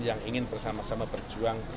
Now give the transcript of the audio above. yang ingin bersama sama berjuang